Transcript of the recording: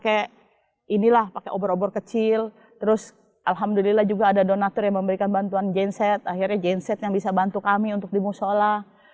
kami nyalahin pakai obor obor kecil terus alhamdulillah juga ada donator yang memberikan bantuan jainset akhirnya jainset yang bisa bantu kami untuk dimusola